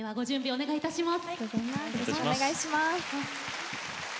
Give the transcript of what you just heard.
お願いいたします。